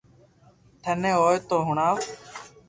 ٿني ھوئي تو ھڻاو